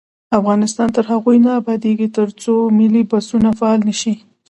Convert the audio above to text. افغانستان تر هغو نه ابادیږي، ترڅو ملي بسونه فعال نشي.